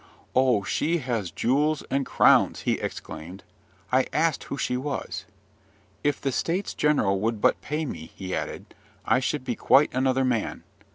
"Oh, she has jewels and crowns!" he exclaimed. I asked who she was. "If the states general would but pay me," he added, "I should be quite another man.